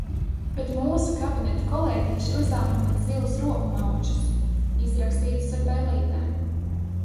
Bet mūsu kabineta kolēģīši uzdāvina man zilus roku maučus, izrakstītus ar pērlītēm.